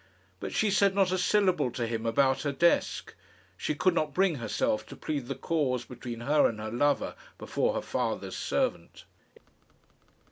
But she said not a syllable to him about her desk. She could not bring herself to plead the cause between her and her lover before her father's servant.